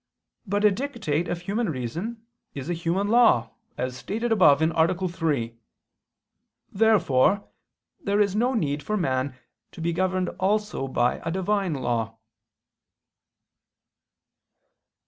But a dictate of human reason is a human law as stated above (A. 3). Therefore there is no need for man to be governed also by a Divine law.